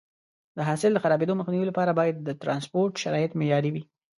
د حاصل د خرابېدو مخنیوي لپاره باید د ټرانسپورټ شرایط معیاري وي.